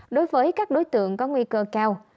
đối với các đối tượng có nguy cơ cao